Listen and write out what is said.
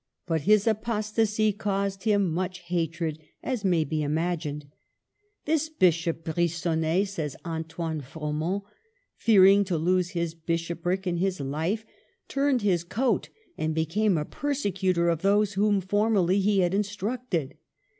But his apostasy caused him much hatred, as may be imagined. •' This Bishop Brigonnet," says Antoine Fro ment, *' fearing to lose his Bishopric and his life, turned his coat and became a persecutor of those whom formerly he had instructed.